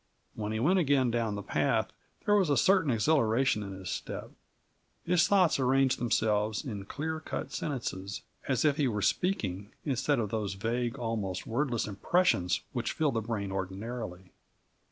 When he went again down the path, there was a certain exhilaration in his step. His thoughts arranged themselves in clear cut sentences, as if he were speaking, instead of those vague, almost wordless impressions which fill the brain ordinarily.